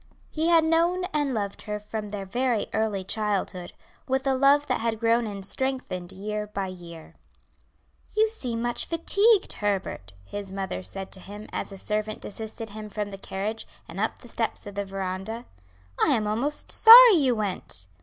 He had known and loved her from their very early childhood; with a love that had grown and strengthened year by year. "You seem much fatigued, Herbert," his mother said to him, as a servant assisted him from the carriage, and up the steps of the veranda. "I am almost sorry you went."